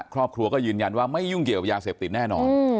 ครอบครัวก็ยืนยันว่าไม่ยุ่งเกี่ยวกับยาเสพติดแน่นอน